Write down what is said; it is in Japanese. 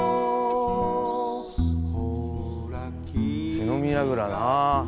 火の見やぐらな。